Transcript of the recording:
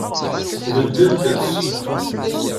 Beddlet-t.